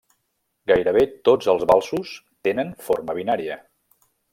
Gairebé tots els valsos tenen forma binària.